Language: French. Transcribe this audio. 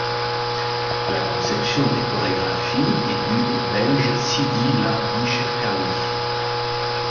La conception des chorégraphies est due au Belge Sidi Larbi Cherkaoui.